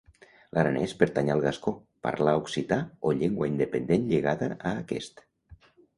L'aranès pertany al gascó, parlar occità o llengua independent lligada a aquest.